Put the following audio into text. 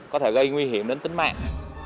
có thể gây nguy hiểm đến tính mạng